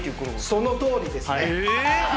そのとおりですね。